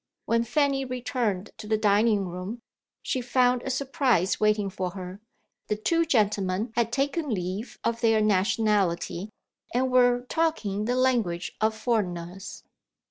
When Fanny returned to the dining room, she found a surprise waiting for her. The two gentlemen had taken leave of their nationality, and were talking the language of foreigners.